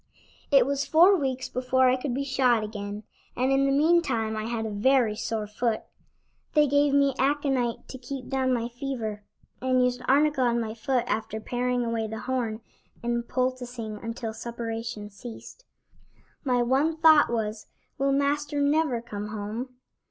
It was four weeks before I could be shod again, and in the meantime I had a very sore foot. They gave me aconite to keep down my fever, and used arnica on my foot after paring away the horn and poulticing until suppuration ceased. My one thought was: "Will Master never come home?"